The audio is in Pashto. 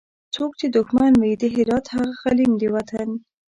څوک چي دښمن وي د هرات هغه غلیم د وطن